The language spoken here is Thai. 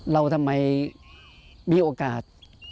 เราทำไมมีโอกาส